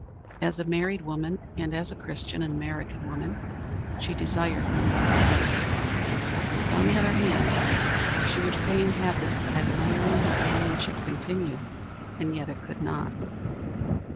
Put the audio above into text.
As a married woman, and as a Christian and American woman, she desired no more than this. But on the other hand, she would fain have this admiring companionship continue; and yet it could not.